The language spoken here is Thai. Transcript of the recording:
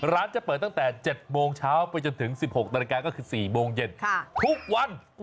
จะเปิดตั้งแต่๗โมงเช้าไปจนถึง๑๖นาฬิกาก็คือ๔โมงเย็นทุกวัน